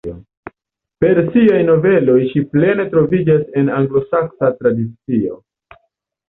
Per siaj noveloj ŝi plene troviĝas en la anglosaksa tradicio.